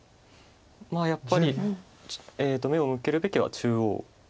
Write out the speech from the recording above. まあやっぱり目を向けるべきは中央。